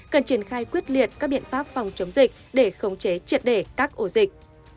cần triển khai quyết liệt các biện pháp phòng chống dịch để khống chế triệt để các ổ dịch